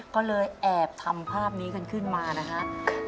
ก็เลยแอบทำภาพนี้กันขึ้นมานะครับ